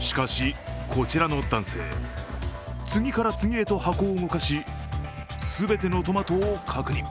しかし、こちらの男性次から次へと箱を動かし、全てのトマトを確認。